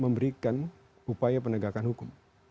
memberikan upaya penegakan hukum